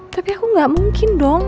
tapi aku gak mungkin dong